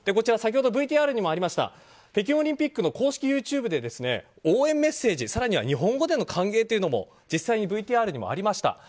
先ほどＶＴＲにもありました北京オリンピックの公式ＹｏｕＴｕｂｅで応援メッセージ更には日本語での歓迎というのも実際にＶＴＲにもありました。